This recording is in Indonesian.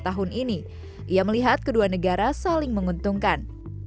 yang melihat kedua negara saling menguntungkan